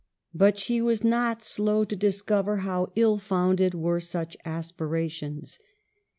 But she was not slow to discover how ill founded were such aspirations.